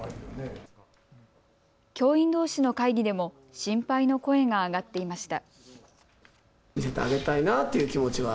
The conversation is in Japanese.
教員どうしの会議でも心配の声が上がっていました。